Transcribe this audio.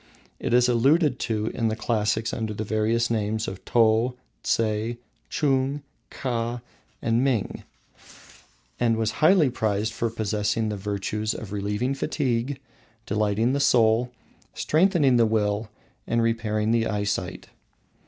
It is alluded to in the classics under the various names of Tou, Tseh, Chung, Kha, and Ming, and was highly prized for possessing the virtues of relieving fatigue, delighting the soul, strengthening the will, and repairing the eyesight.